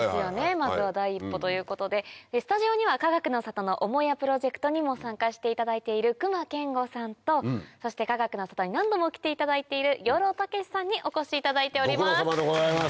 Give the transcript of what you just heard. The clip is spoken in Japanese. まずは第一歩ということでスタジオにはかがくの里の母屋プロジェクトにも参加していただいている隈研吾さんとそしてかがくの里に何度も来ていただいている養老孟司さんにお越しいただいております。